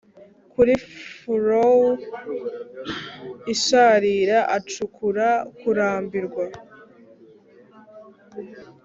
Kuri furrow isharira acukura kurambirwa